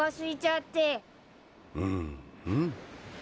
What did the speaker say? うんうん。